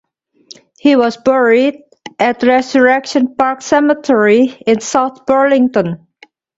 He was buried at Resurrection Park Cemetery in South Burlington.